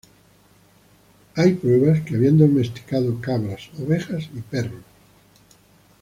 Hay pruebas que habían domesticado cabras, ovejas y perros.